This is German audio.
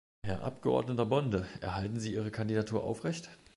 Herr Abgeordneter Bonde, erhalten Sie Ihre Kandidatur aufrecht?